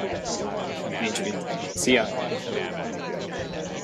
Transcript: Nincs mit. Szia!